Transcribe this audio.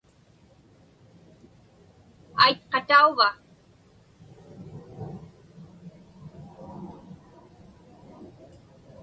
Aitqatauva?